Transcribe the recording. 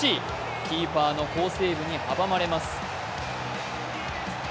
キーパーの好セーブに阻まれます。